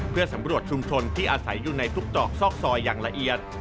เพื่อสำรวจชุมชนที่อาศัยอยู่ในทุกเจาะซอกซอยอย่างละเอียด